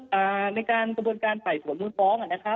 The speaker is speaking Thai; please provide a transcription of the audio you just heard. คือในการสมบูรณ์การไฝ่สวนมื้อฟ้อง